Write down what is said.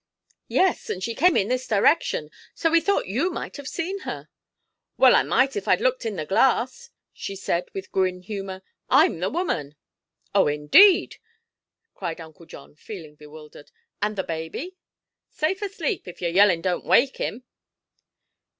"Yes; and she came in this direction; so we thought you might have seen her." "Well, I might, if I'd looked in the glass," she said with grim humor. "I'm the woman." "Oh, indeed!" cried Uncle John, feeling bewildered. "And the baby?" "Safe asleep, if your yellin' don't wake him."